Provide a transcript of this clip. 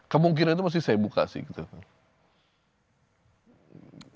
kemungkinan itu masih saya buka sih gitu kan